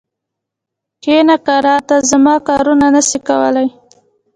کښینه کرار! ته زما کارونه نه سې کولای.